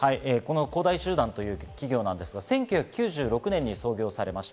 恒大集団という企業ですが、１９９６年に創業されました。